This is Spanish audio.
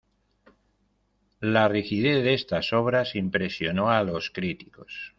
La rigidez de estas obras impresionó a los críticos.